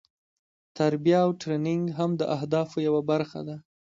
تربیه او ټریننګ هم د اهدافو یوه برخه ده.